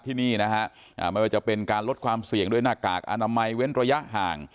ที่นี่นะฮะไม่ว่าจะเป็นการลดความเสี่ยงด้วยหน้ากากอนามัยเว้นระยะห่าง